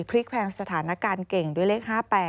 พลิกแพงสถานการณ์เก่งด้วยเลข๕๘